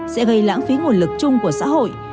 sẽ gây lãng phí nguồn lực chung của xã hội